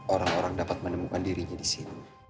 orang orang dapat menemukan dirinya di sini